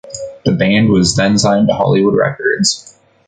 The band was then signed to Hollywood Records.